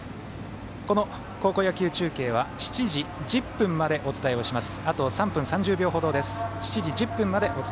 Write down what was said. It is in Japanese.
この高校野球中継は７時１０分までお伝えをします。